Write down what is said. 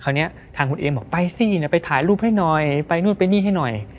คราวนี้ทางคุณเอมบอกไปสิไปถ่ายรูปให้หน่อยไปนู่นไปนี่ให้หน่อย